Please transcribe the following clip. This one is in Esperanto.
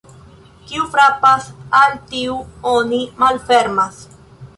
Kiu frapas, al tiu oni malfermas.